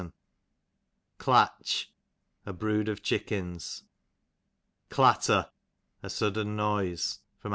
Clatch, a brood of chickens. Clatter, a sudden noise. A.